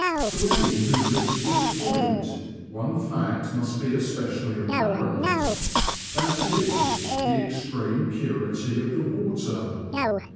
To any who reach this point one fact must be especially apparent — that is, the extreme purity of the water.